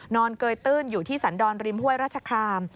เกยตื้นอยู่ที่สันดรริมห้วยราชคราม